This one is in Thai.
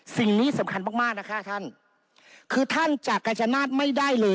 สิ่งนี้สำคัญมากมากนะคะท่านคือท่านจากกาชนาธิ์ไม่ได้เลย